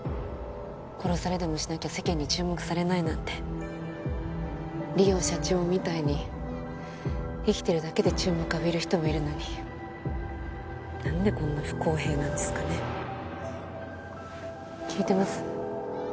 殺されでもしなきゃ世間に注目されないなんて梨央社長みたいに生きてるだけで注目浴びる人もいるのに何でこんな不公平なんですかね聞いてます？